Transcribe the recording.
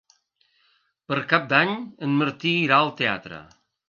Per Cap d'Any en Martí irà al teatre.